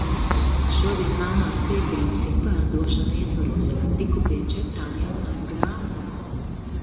Šodien melnās piektdienas izpārdošanu ietvaros tiku pie četrām jaunām grāmatām.